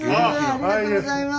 ありがとうございます。